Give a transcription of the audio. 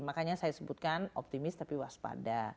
makanya saya sebutkan optimis tapi waspada